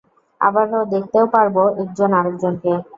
আবার দেখতেও পারব একজন আরেকজনকে।